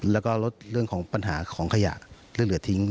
แล้วก็ลดเรื่องของปัญหาของขยะที่เหลือทิ้ง